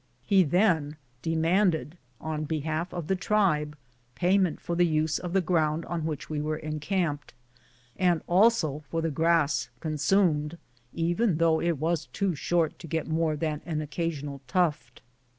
He then demanded, in behalf of the tribe, payment for the use of the ground on which we were encamped, and also for the grass consumed, though it was too short to get more than an occasional tuft.